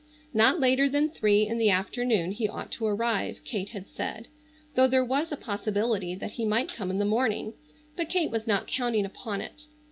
Not later than three in the afternoon he ought to arrive, Kate had said, though there was a possibility that he might come in the morning, but Kate was not counting upon it.